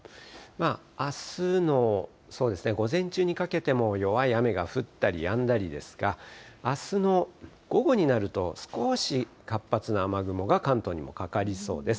あすの午前中にかけても弱い雨が降ったりやんだりですが、あすの午後になると、少し活発な雨雲が完登にもかかりそうです。